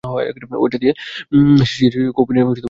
ঐটে দিয়ে শিষ্যেরা কৌপীন এঁটে বেঁধে রাখত।